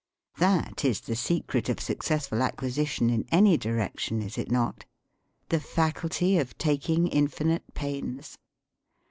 That is the secret of suc cessful acquisition in any direction, is it not the "faculty of taking infinite pains"?